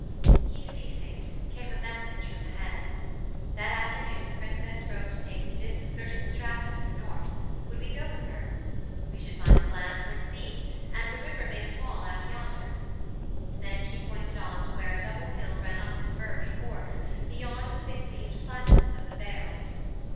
He ceasing, came a message from the Head. 'That afternoon the Princess rode to take The dip of certain strata to the North. Would we go with her? we should find the land Worth seeing; and the river made a fall Out yonder:' then she pointed on to where A double hill ran up his furrowy forks Beyond the thick leaved platans of the vale.